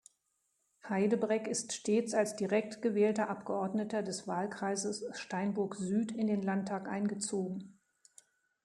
Heydebreck ist stets als direkt gewählter Abgeordneter des Wahlkreises Steinburg-Süd in den Landtag eingezogen.